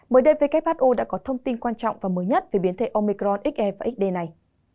mới đây who đã có thông tin quan trọng và mới nhất về biến thể omicron xe và xd này